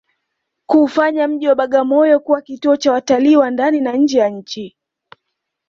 kuufanya mji wa Bagamoyo kuwa kituo cha watalii wa ndani na nje ya nchini